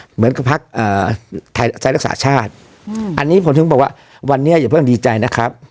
เหมือนกับพักไทยรักษาชาติอันนี้ผมถึงบอกว่าวันนี้อย่าเพิ่งดีใจนะครับ